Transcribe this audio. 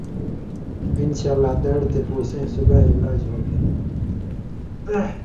انشاءاللہ دڑ تے پُوسَیں سُگائ علاج ہوتھی۔